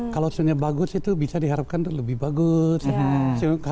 kalau xiong nya bagus itu bisa diharapkan lebih bagus